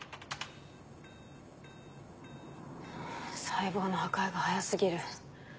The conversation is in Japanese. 細胞の破壊が速過ぎる。